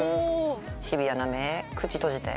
シビアな目口閉じて。